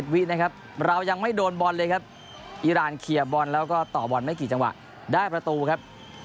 วินะครับเรายังไม่โดนบอลเลยครับอีรานเคลียร์บอลแล้วก็ต่อบอลไม่กี่จังหวะได้ประตูครับ